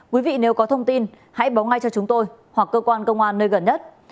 quý vị nếu có thông tin hãy báo ngay cho chúng tôi hoặc cơ quan công an nơi gần nhất